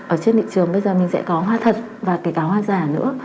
ở trên địa trường bây giờ mình sẽ có hoa thật và cả hoa giả nữa